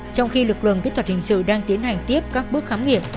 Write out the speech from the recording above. trong khi lực lượng kỹ thuật hình sự đang tiến hành tiếp các bước khám nghiệm